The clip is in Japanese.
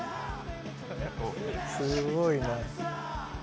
すごいな。